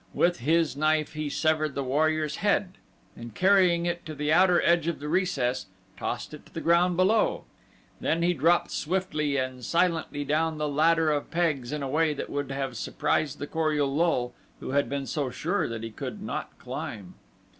With his knife he severed the warrior's head and carrying it to the outer edge of the recess tossed it to the ground below, then he dropped swiftly and silently down the ladder of pegs in a way that would have surprised the Kor ul lul who had been so sure that he could not climb.